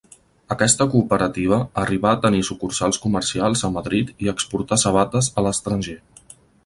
Aquesta cooperativa arribà a tenir sucursals comercials a Madrid i exportar sabates a l'estranger.